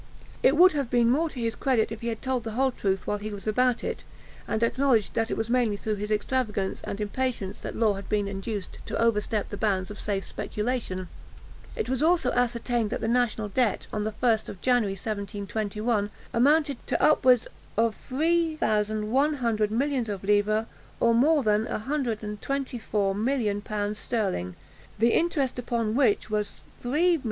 It would have been more to his credit if he had told the whole truth while he was about it, and acknowledged that it was mainly through his extravagance and impatience that Law had been induced to overstep the bounds of safe speculation. It was also ascertained that the national debt, on the 1st of January 1721, amounted to upwards of 3100 millions of livres, or more than 124,000,000l. sterling, the interest upon which was 3,196,000l.